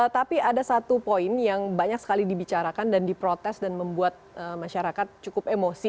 tapi ada satu poin yang banyak sekali dibicarakan dan diprotes dan membuat masyarakat cukup emosi